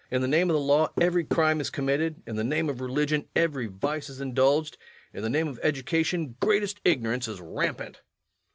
In the name of the law every crime is committed; in the name of religion every vice is indulged; in the name of education greatest ignorance is rampant.